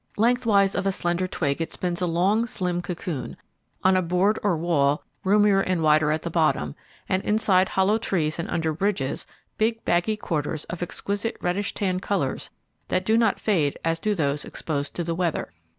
Lengthwise of a slender twig it spins a long, slim cocoon; on a board or wall, roomier and wider at the bottom, and inside hollow trees, and under bridges, big baggy quarters of exquisite reddish tan colours that do not fade as do those exposed to the weather.